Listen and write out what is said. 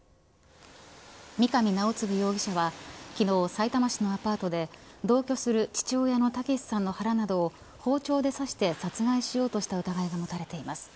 三上尚貢容疑者は昨日さいたま市のアパートで同居する父親の剛さんの腹などを包丁で刺して殺害しようとした疑いが持たれています。